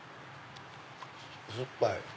酸っぱい！